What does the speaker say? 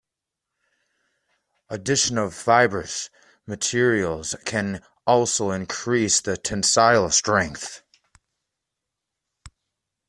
Addition of fibrous materials can also increase the tensile strength.